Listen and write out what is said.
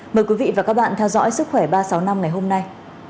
mời quý vị và các bạn theo dõi sức khỏe ba trăm sáu mươi năm ngày hôm nay